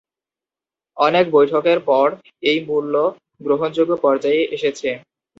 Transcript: অনেক বৈঠকের পর এই মূল্য গ্রহণযোগ্য পর্যায়ে এসেছে।